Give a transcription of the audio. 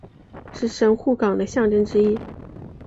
是神户港的象征之一。